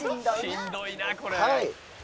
「しんどいなこれ」